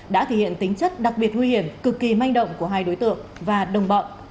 đã thể hiện tính chất đặc biệt nguy hiểm cực kỳ manh động của hai đối tượng và đồng bọn